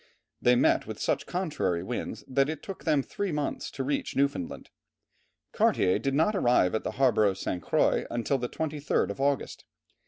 They met with such contrary winds that it took them three months to reach Newfoundland. Cartier did not arrive at the harbour of St. Croix till the 23rd of August.